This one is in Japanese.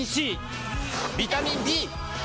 ビタミン Ｂ！